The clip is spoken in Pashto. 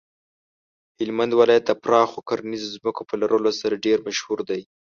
هلمند ولایت د پراخو کرنیزو ځمکو په لرلو سره ډیر مشهور دی.